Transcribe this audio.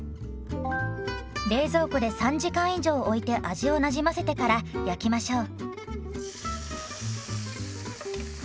冷蔵庫で３時間以上おいて味をなじませてから焼きましょう。